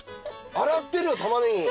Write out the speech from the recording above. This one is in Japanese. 洗ってるよ玉ねぎ。